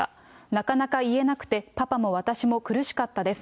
なかなか言えなくて、パパも私も苦しかったです。